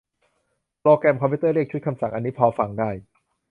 โปรแกรมคอมพิวเตอร์ เรียกชุดคำสั่ง อันนี้พอฟังได้